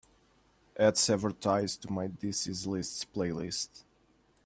Add severed ties to my this is liszt playlist.